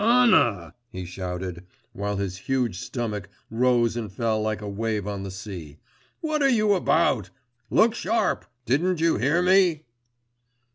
'Anna!' he shouted, while his huge stomach rose and fell like a wave on the sea; 'what are you about? Look sharp! Didn't you hear me?